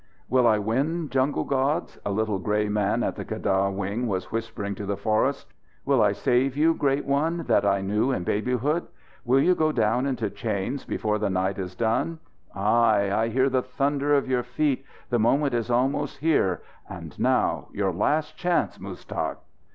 "Will I win, jungle gods?" a little grey man at the keddah wing was whispering to the forests. "Will I save you, great one that I knew in babyhood? Will you go down into chains before the night is done? Ai! I hear the thunder of your feet! The moment is almost here. And now your last chance, Muztagh!"